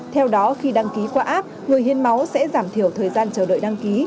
theo đó khi đăng ký qua app người hiến máu sẽ giảm thiểu thời gian chờ đợi đăng ký